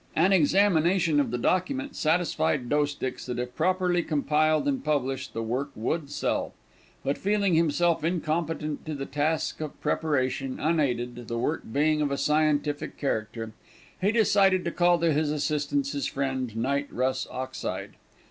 An examination of the documents satisfied Doesticks that if properly compiled, and published, the work would sell. But feeling himself incompetent to the task of preparation unaided the work being of a scientific character he decided to call to his assistance his friend Knight Russ Ockside.